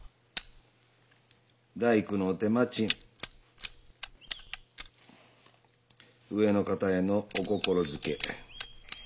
大工の手間賃上の方へのお心づけ。